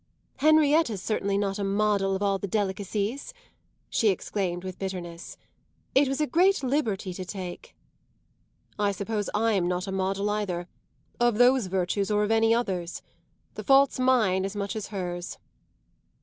"Henrietta's certainly not a model of all the delicacies!" she exclaimed with bitterness. "It was a great liberty to take." "I suppose I'm not a model either of those virtues or of any others. The fault's mine as much as hers."